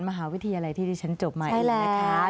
มหาวิทยาลัยที่ดิฉันจบมาใช่แล้ว